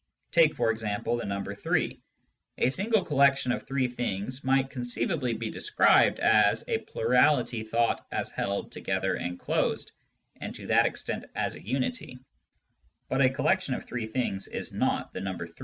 Take, for example, the number 3. A single collection of three things might conceivably be described as "a plurality thought as held together and closed, and to that extent as a unity "; but a collection of three things is not the number 3.